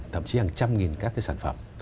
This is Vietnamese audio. thậm chí hàng trăm nghìn các sản phẩm